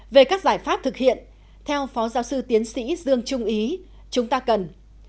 về các giải pháp thực hiện theo phó giáo sư tiến sĩ dương trung ý chúng ta cần